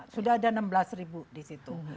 sudah ada enam belas ribu di situ